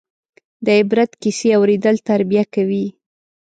د عبرت کیسې اورېدل تربیه کوي.